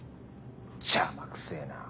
邪魔くせぇな。